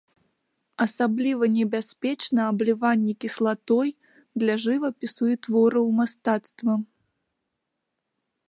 Асабліва небяспечна абліванне кіслатой для жывапісу і твораў мастацтва.